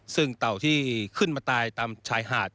ซึ่งเต่าที่ขึ้นมาตายตามชายหาด